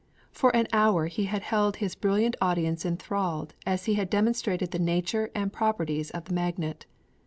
For an hour he had held his brilliant audience enthralled as he had demonstrated the nature and properties of the magnet.